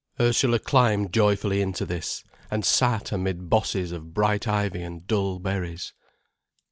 Ursula climbed joyfully into this and sat amid bosses of bright ivy and dull berries.